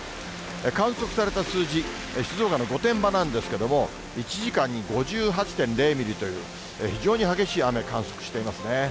観測された数字、静岡の御殿場なんですけれども、１時間に５８．０ミリという、非常に激しい雨、観測していますね。